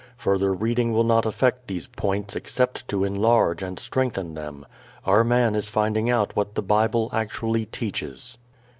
Further reading will not affect these points except to enlarge and strengthen them. Our man is finding out what the Bible actually teaches.